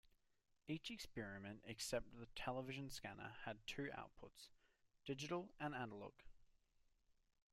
Each experiment except the television scanner had two outputs, digital and analog.